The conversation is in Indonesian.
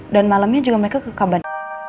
dan malamnya juga mereka kekabar